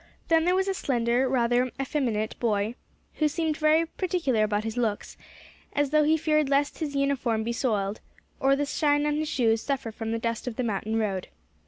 Then there was a slender, rather effeminate, boy, who seemed very particular about his looks, as though he feared lest his uniform become soiled, or the shine on his shoes suffer from the dust of the mountain road.